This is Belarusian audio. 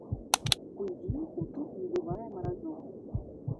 Узімку тут не бывае маразоў.